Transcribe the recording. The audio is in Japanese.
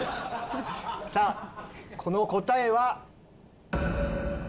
さあこの答えは。